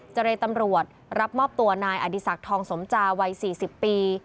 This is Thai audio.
เรตำรวจรับมอบตัวนายอดีศักดิ์ทองสมจาวัย๔๐ปี